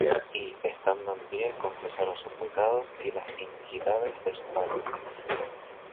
y estando en pie, confesaron sus pecados, y las iniquidades de sus padres.